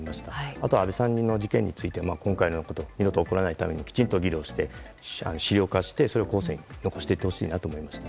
あとは安倍さんの事件については今回のようなことが二度と起こらないためにきちんと議論して資料化してそれを後世に残していってほしいなと思いました。